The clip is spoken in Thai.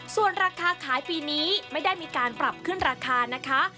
ส่วนราคาขายปีนี้ไม่ได้มีการปรับขึ้นราคานะคะ